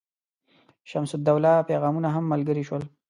شمس الدوله پیغامونه هم ملګري شول.